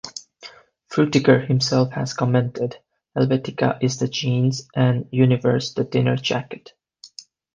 Frutiger himself has commented: Helvetica is the jeans, and Univers the dinner jacket.